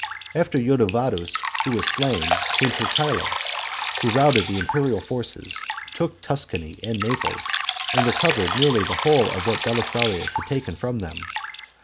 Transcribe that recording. After Ildovadus, who was slain, came Totila, who routed the imperial forces, took Tuscany and Naples, and recovered nearly the whole of what Belisarius had taken from them.